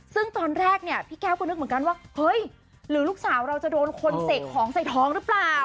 ซึ่งตอนแรกเนี่ยพี่แก้วก็นึกเหมือนกันว่าเฮ้ยหรือลูกสาวเราจะโดนคนเสกของใส่ท้องหรือเปล่า